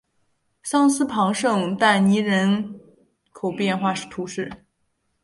桑斯旁圣但尼人口变化图示